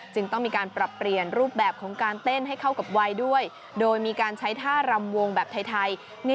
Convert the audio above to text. จึงต้องมีการปรับเปลี่ยนรูปแบบของการเต้นให้เข้ากับวัยด้วยโดยมีการใช้ท่ารำวงแบบไทย